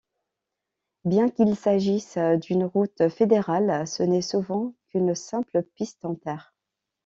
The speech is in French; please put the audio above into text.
Bien qu'il s'agisse d'une route fédérale, ce n'est souvent qu'une simple piste en terre.